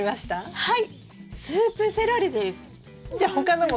はい。